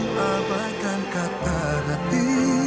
aku abahkan kata hati